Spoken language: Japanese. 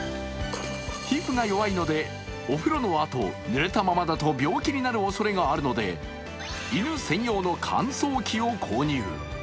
皮膚が弱いのでお風呂のあと、濡れたままだと病気になるおそれがあるため犬専用の乾燥機を購入。